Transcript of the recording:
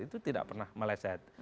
itu tidak pernah meleset